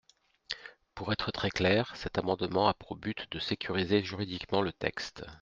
Pour être très clair, cet amendement a pour but de sécuriser juridiquement le texte.